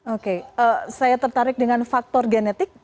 oke saya tertarik dengan faktor genetik